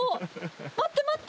待って待って。